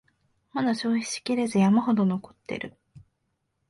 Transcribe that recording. まだ消費しきれず山ほど残ってる